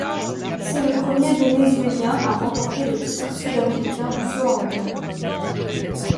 C'est le premier Vénézuélien à remporter le titre sud-américain du saut en hauteur.